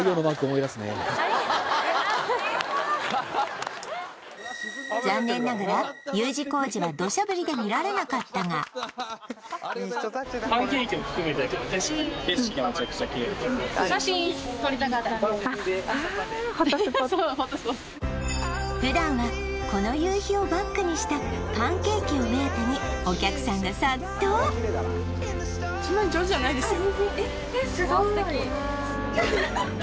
ハハハハ残念ながらＵ字工事はどしゃ降りで見られなかったが景色がめちゃくちゃきれい普段はこの夕日をバックにしたパンケーキを目当てにお客さんが殺到そんなに上手じゃないですよ